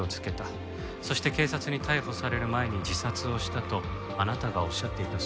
そして警察に逮捕される前に自殺をしたとあなたがおっしゃっていたそうです。